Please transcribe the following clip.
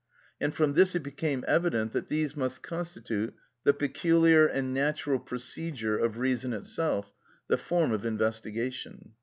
And from this it became evident that these must constitute the peculiar and natural procedure of reason itself, the form of investigation.